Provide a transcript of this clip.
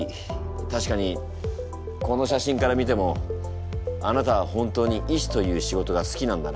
確かにこの写真から見てもあなたは本当に医師という仕事が好きなんだな。